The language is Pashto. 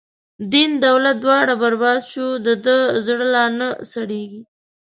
دین دولت دواړه برباد شو، د ده زړه لانه سړیږی